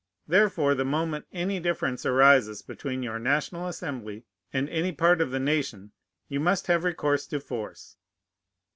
Therefore the moment any difference arises between your National Assembly and any part of the nation, you must have recourse to force.